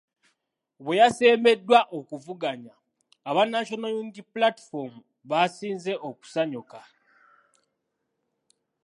Bwe yasembeddwa okuvuganya aba National Unity Platform baasinze okusanyuka .